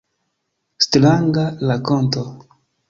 Stranga rakonto.